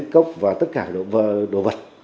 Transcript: cốc và tất cả đồ vật